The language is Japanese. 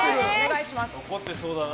怒ってそうだな。